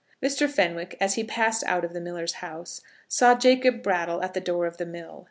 Mr. Fenwick, as he passed out of the miller's house, saw Jacob Brattle at the door of the mill.